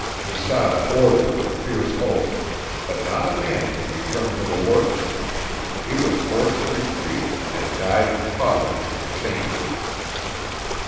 Quesada ordered with fierce oath, but not a man would return to the work. He was forced to retreat, and died in poverty and shame.